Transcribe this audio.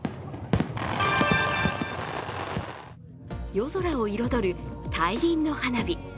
夜空を彩る大輪の花火。